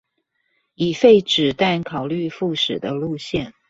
已廢止但考慮復駛的路線